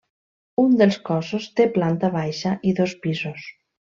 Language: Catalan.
Un dels cossos té planta baixa i dos pisos.